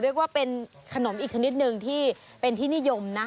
เรียกว่าเป็นขนมอีกชนิดหนึ่งที่เป็นที่นิยมนะ